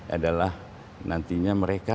adalah nantinya mereka